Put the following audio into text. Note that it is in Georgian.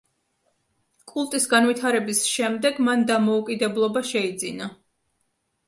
კულტის განვითარების შემდეგ მან დამოუკიდებლობა შეიძინა.